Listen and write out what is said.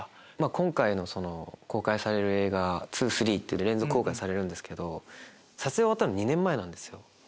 今回公開される映画２３って連続公開されるんですけど撮影終わったの２年前なんですよ。